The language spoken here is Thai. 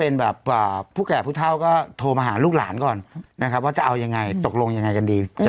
ในทวิตเตอร์คุณออกมาเขียนกันเยอะเนอะ